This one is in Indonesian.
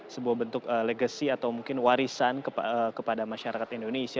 sebuah bentuk legacy atau mungkin warisan kepada masyarakat indonesia